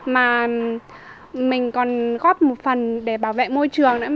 mà mình còn góp một phần để bảo vệ môi trường